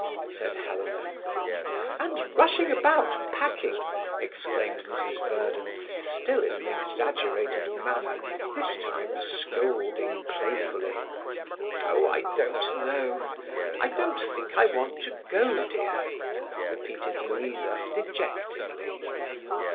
said Helena. "And rushing about packing," exclaimed Mrs Verden, still in an exaggerated manner, this time scolding playfully. "Oh, I don't know. I don't think I want to go, dear," repeated Louisa dejectedly.